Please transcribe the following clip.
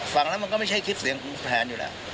ฟังแล้วมันก็ไม่ใช่คลิปเสียงของแผนอยู่แล้ว